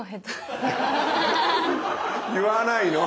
言わないの！